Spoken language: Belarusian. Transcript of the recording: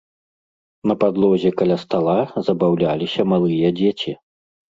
На падлозе каля стала забаўляліся малыя дзеці.